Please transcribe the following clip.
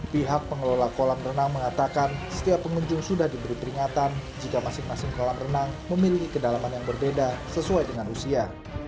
pihak pengelola kolam renang mengatakan setiap pengunjung sudah diberi peringatan jika masing masing kolam renang memiliki kedalaman yang berbeda sesuai dengan usia